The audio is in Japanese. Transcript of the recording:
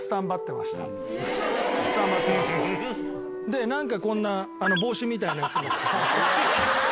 で何かこんな帽子みたいなやつも。